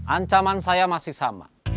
ancaman saya masih sama